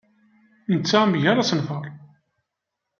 Netta mgal asenfar.